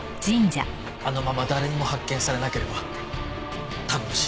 あのまま誰にも発見されなければ多分死んでる。